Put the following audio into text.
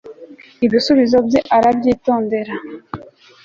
ibisubizo bye arabyitondera